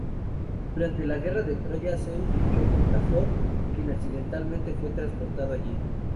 Durante la guerra de Troya, Zeus luchó contra Thor, quien accidentalmente fue transportado allí.